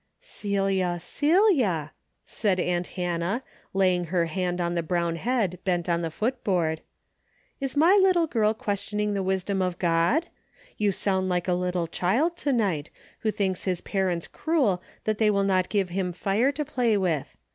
" Celia ! Celia !" said aunt Hannah, laying her hand on the brown head bent on the foot board, "is my little girl questioning the wis dom of God? You sound like a little child, to night, who thinks his parents cruel that they will not give him fire to play with.